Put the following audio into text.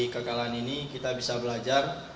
kekalahan ini kita bisa belajar